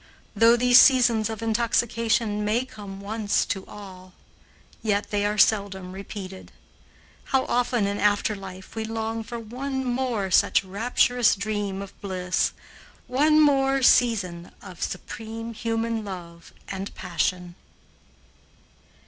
Though these seasons of intoxication may come once to all, yet they are seldom repeated. How often in after life we long for one more such rapturous dream of bliss, one more season of supreme human love and passion!